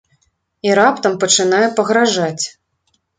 І раптам пачынае пагражаць.